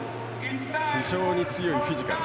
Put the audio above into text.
非常に強いフィジカル。